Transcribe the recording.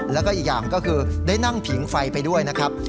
แล้วก็อีกอย่างก็คือได้นั่งผิงไฟไปด้วยนะครับ